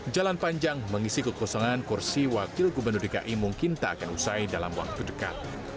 jalan panjang mengisi kekosongan kursi wakil gubernur dki mungkin tak akan usai dalam waktu dekat